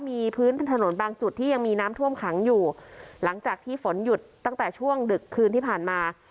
มีพื้นถนนบางจุดที่ยังมีน้ำท่วมขังอยู่หลังจากที่ฝนหยุดตั้งแต่ช่วงดึกคืนที่ผ่านมา